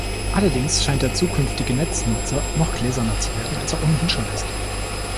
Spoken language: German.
Allerdings scheint der zukünftige Netz-Nutzer noch gläserner zu werden, als er ohnehin schon ist.